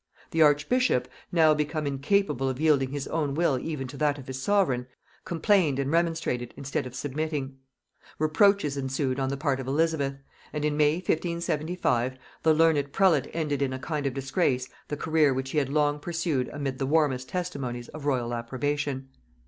The archbishop, now become incapable of yielding his own will even to that of his sovereign, complained and remonstrated instead of submitting: reproaches ensued on the part of Elizabeth; and in May 1575 the learned prelate ended in a kind of disgrace the career which he had long pursued amid the warmest testimonies of royal approbation.